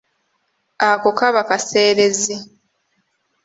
Ako kaba kaseerezi.